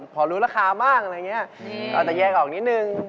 พอรู้ราคามากอยากต่างให้ออกนิดหนึ่ง